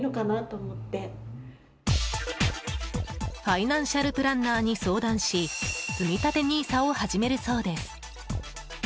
ファイナンシャルプランナーに相談しつみたてＮＩＳＡを始めるそうです。